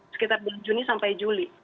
sekitar bulan juni sampai juli